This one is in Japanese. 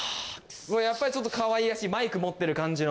やっぱりちょっとかわいらしいマイク持ってる感じの。